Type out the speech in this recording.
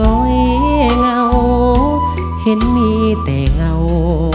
กลางวันยังง้อยเหงาเห็นมีแต่เหงา